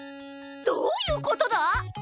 どういうことだ？